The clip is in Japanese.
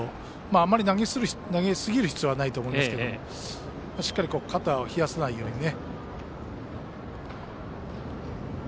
あまり投げすぎる必要はないと思いますけどしっかり肩を冷やさないようにね。